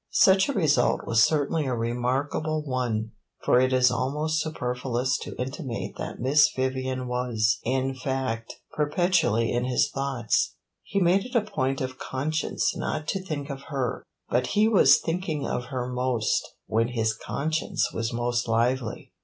Such a result was certainly a remarkable one, for it is almost superfluous to intimate that Miss Vivian was, in fact, perpetually in his thoughts. He made it a point of conscience not to think of her, but he was thinking of her most when his conscience was most lively.